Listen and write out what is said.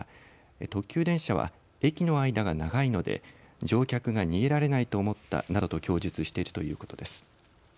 特急電車は駅の間が長いので乗客が逃げられないと思ったなどと供述しているということです。